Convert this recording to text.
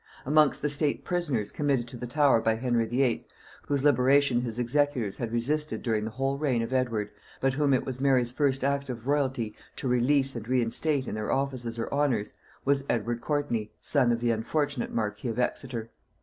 Amongst the state prisoners committed to the Tower by Henry VIII., whose liberation his executors had resisted during the whole reign of Edward, but whom it was Mary's first act of royalty to release and reinstate in their offices or honors, was Edward Courtney, son of the unfortunate marquis of Exeter.